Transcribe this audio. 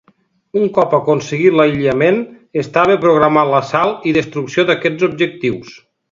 Un cop aconseguit l'aïllament, estava programat l'assalt i destrucció d'aquests objectius.